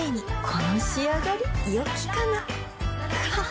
この仕上がりよきかなははっ